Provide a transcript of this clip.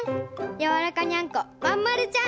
やわらかにゃんこまんまるちゃん。